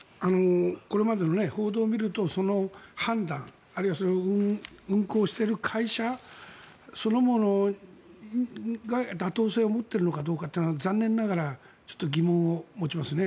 これまでの報道を見るとその判断あるいは、それを運航している会社そのものが妥当性を持っているかどうかというのは残念ながらちょっと疑問を持ちますね。